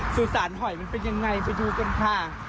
สุสานหอยมันเป็นยังไงไปดูกันค่ะ